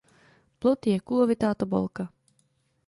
Plod je kulovitá tobolka.